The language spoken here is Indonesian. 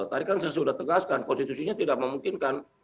tadi kan saya sudah tegaskan konstitusinya tidak memungkinkan